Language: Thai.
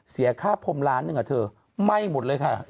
เสียค่าพรมล้านหนึ่งอ่ะเธอไหม้หมดเลยค่ะ